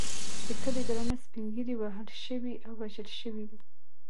د کلي درانه سپین ږیري وهل شوي او وژل شوي وو.